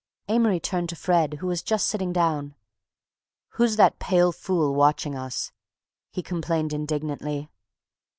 Amory turned to Fred, who was just sitting down. "Who's that pale fool watching us?" he complained indignantly.